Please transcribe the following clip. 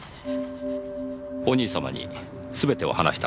お兄様に全てを話したんですね。